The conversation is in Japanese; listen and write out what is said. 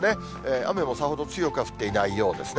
雨もさほど強くは降っていないようですね。